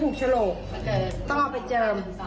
เขาบอกว่าเนี่ยรถมีปัญหานะตีไม่ถูกโฉลก